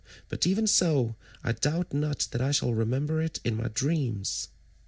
But even so I doubt not that I shall remember it in my dreams."